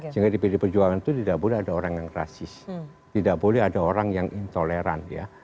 sehingga di pd perjuangan itu tidak boleh ada orang yang rasis tidak boleh ada orang yang intoleran ya